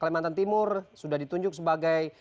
kalimantan timur sudah ditunjuk sebagai